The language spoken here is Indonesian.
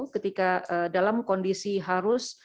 ketika dalam kondisi harus